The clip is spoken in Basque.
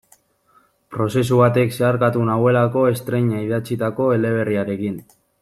Prozesu batek zeharkatu nauelako estreina idatzitako eleberriarekin.